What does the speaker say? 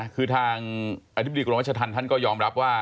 คือทางอธิบดีกรมรัชธรรมท่านก็ยอมรับว่า